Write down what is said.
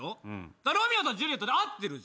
ロミオとジュリエットで合ってる。